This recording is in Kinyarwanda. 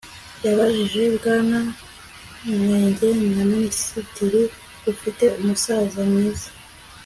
yabajije bwana nwege, nka minisitiri, ufite umusaza mwiza